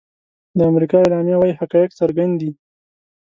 د امریکا اعلامیه وايي حقایق څرګند دي.